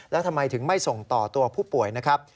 แล้วทำไมถึงไม่ส่งต่อตัวผู้ป่วยนะครับ